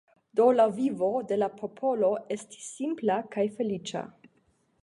Do la vivo de la popolo estis simpla kaj feliĉa.